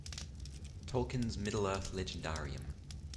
Tolkien's Middle-earth legendarium.